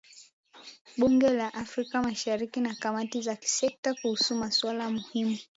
Bunge la Afrika Mashariki na kamati za kisekta kuhusu masuala muhimu